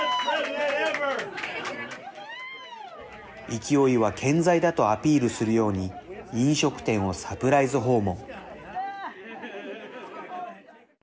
勢いは健在だとアピールするように飲食店をサプライズ訪問。